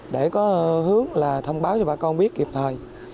để có hướng là thông báo cho bà con biết kịp thời